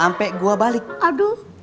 ampe gua balik aduh